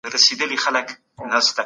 که تضاد وي نو پرمختګ هم ورسره مل وي.